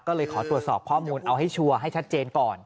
ก็เลยขอตรวจสอบข้อมูลเอาให้ชัวร์ให้ชัดเจนก่อน